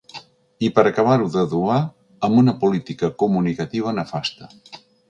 I, per acabar-ho d’adobar, amb una política comunicativa nefasta.